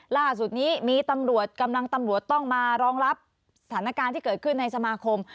ล่าสุดนี้มีตำรวจกำลังตำรวจต้องมารองรับสถานการณ์ที่เกิดขึ้นในสมาคม